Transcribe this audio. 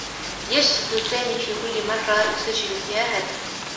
يسجد سامي في كلّ مرّة يسجّل فيها هدف.